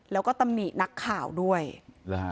แล้วก็ตำนี่นักข่าวด้วยแล้วฮะ